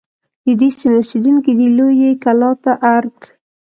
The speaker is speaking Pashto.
د دې سیمې اوسیدونکي دی لویې کلا ته ارگ